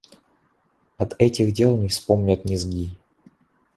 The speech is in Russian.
От этих дел не вспомнят ни зги.